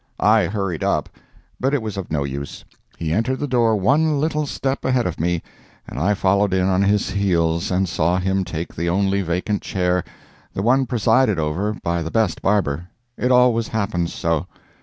I hurried up, but it was of no use; he entered the door one little step ahead of me, and I followed in on his heels and saw him take the only vacant chair, the one presided over by the best barber. It always happens so.